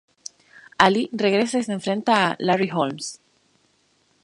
Alí regresa y se enfrenta a Larry Holmes.